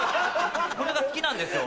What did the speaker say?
これが好きなんですよ